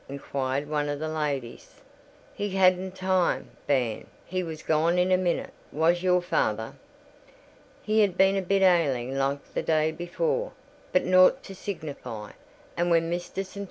inquired one of the ladies. "He hadn't time, bairn: he was gone in a minute, was your father. He had been a bit ailing like the day before, but naught to signify; and when Mr. St.